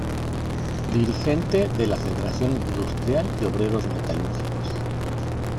Dirigente de la Federación Industrial de Obreros Metalúrgicos.